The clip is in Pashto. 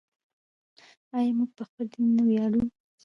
آیا موږ په خپل دین نه ویاړو؟